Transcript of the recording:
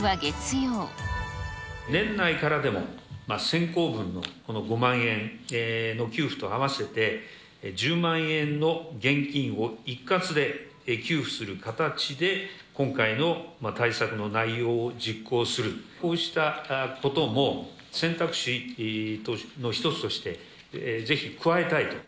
年内からでも、先行分のこの５万円の給付と合わせて、１０万円の現金を一括で給付する形で、今回の対策の内容を実行する、こうしたことも、選択肢の一つとしてぜひ加えたいと。